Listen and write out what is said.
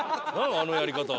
あのやり方は。